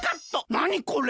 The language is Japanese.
なにこれ？